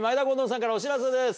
敦さんからお知らせです。